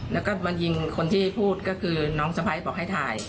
แล้วก็มายิงคนที่พูดก็คือน้องสะพ้ายบอกให้ถ่าย